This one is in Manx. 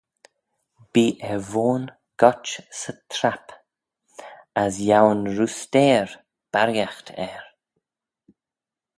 Bee e voyn goit 'sy trap, as yiow'n roosteyr barriaght er.